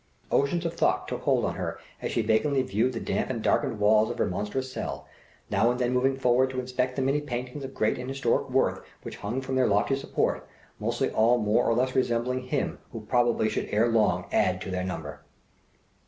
Oceans of thought took hold on her as she vacantly viewed the damp and darkened walls of her monstrous cell, now and then moving forward to inspect the many paintings of great and historic worth which hung from their lofty support, mostly all more or less resembling him who probably should ere long add to their number.